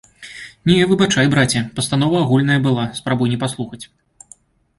Не, выбачай, браце, пастанова агульная была, спрабуй не паслухаць!